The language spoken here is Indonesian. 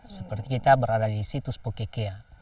seperti kita berada di situs pokekea